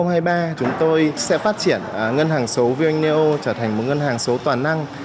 năm hai nghìn hai mươi ba chúng tôi sẽ phát triển ngân hàng số vneil trở thành một ngân hàng số toàn năng